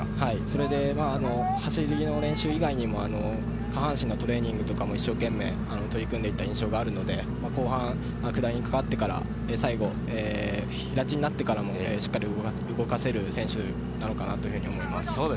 それで走りの練習以外にも下半身のトレーニングとかも一生懸命取り組んでいた印象があるので、後半、下りにかかってから最後、平地になってからも、しっかり動かせる選手なのかなと思います。